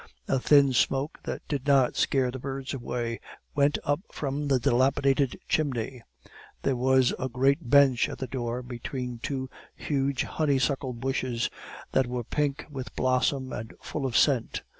A thin smoke, that did not scare the birds away, went up from the dilapidated chimney. There was a great bench at the door between two huge honey suckle bushes, that were pink with blossom and full of scent.